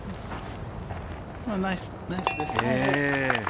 ナイスですね。